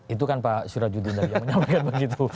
itu kan pak syurajudin yang menyampaikan begitu